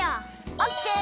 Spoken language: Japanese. オッケー！